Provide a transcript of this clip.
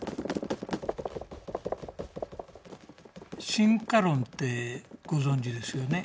進化論ってご存じですよね？